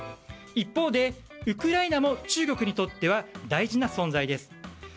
一方でウクライナも中国にとっては大事な存在です。